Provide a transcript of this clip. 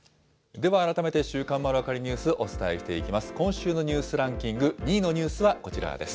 では、改めて週刊まるわかりニュース、お伝えしていきます。